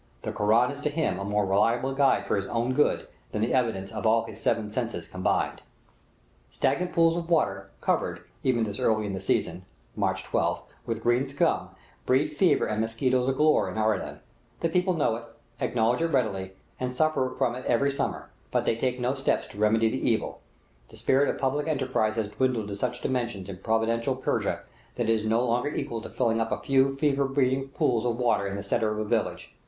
The Koran is to him a more reliable guide for his own good than the evidence of all his seven senses combined. Stagnant pools of water, covered, even this early in the season (March 12th), with green scum, breed fever and mosquitoes galore in Aradan; the people know it, acknowledge it readily, and suffer from it every summer, but they take no steps to remedy the evil; the spirit of public enterprise has dwindled to such dimensions in provincial Persia, that it is no longer equal to filling up a few fever breeding pools of water in the centre of a village.